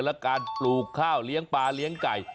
และการปลูกข้าวเลี้ยงปลาเลี้ยงไก่